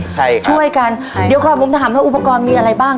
ใช่ช่วยกันค่ะเดี๋ยวก่อนผมถามว่าอุปกรณ์มีอะไรบ้าง